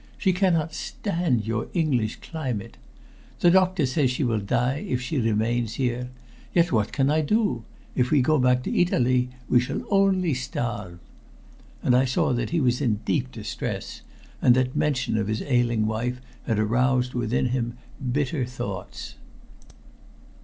She cannot stand your English climate. The doctor says she will die if she remains here. Yet what can I do? If we go back to Italy we shall only starve." And I saw that he was in deep distress, and that mention of his ailing wife had aroused within him bitter thoughts.